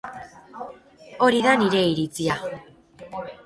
Hori da nire iritzia.